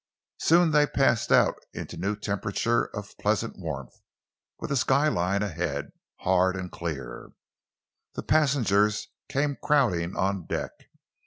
Soon they passed out into a new temperature of pleasant warmth, with a skyline ahead, hard and clear. The passengers came crowding on deck.